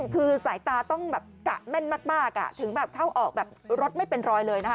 คือสายตาต้องกะแม่นมากถึงเข้าออกรถไม่เป็นรอยเลย